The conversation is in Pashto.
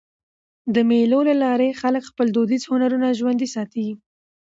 د مېلو له لاري خلک خپل دودیز هنرونه ژوندي ساتي.